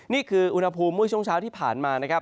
นี่คืออุณหภูมิช่วงเช้าที่ผ่านมา